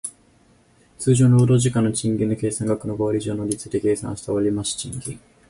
通常の労働時間の賃金の計算額の五割以上の率で計算した割増賃金